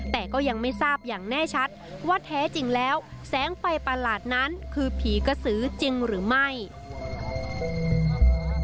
แต่ก็ยังไม่ทราบอย่างแน่ชัดว่าแท้จริงแล้วแสงไฟประหลาดนั้นคือผีกระสือจริงหรือไม่